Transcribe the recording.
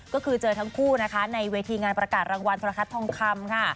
ก็คือเจอทั้งคู่นะคะในเวทีงานประกาศรางวัลโทรทัศน์ทองคำค่ะ